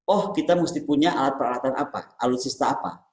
oh kita mesti punya alat peralatan apa alutsista apa